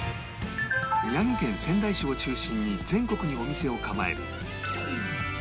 宮城県仙台市を中心に全国にお店を構える